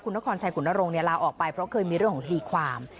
คุณนครชัยคุณนรงค์เนี่ยลาออกไปเพราะเคยมีเรื่องของดีความ